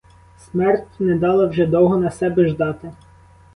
Смерть не дала вже довго на себе ждати.